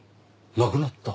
亡くなった？